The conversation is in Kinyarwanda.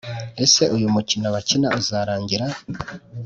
Ese uyu mukino bakina uzarangira?